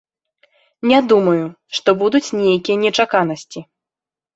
Не думаю, што будуць нейкія нечаканасці.